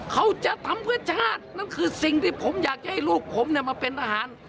เขาจะทำเพื่อชาตินั่นคือสิ่งที่ผมอยากจะให้ลูกผมมาเป็นทหาร